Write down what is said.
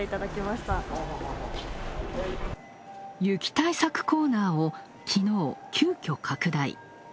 雪対策コーナーをきのう、急きょ拡大。